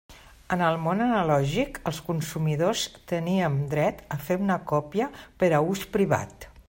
En el món analògic, els consumidors teníem dret a fer una còpia per a ús privat.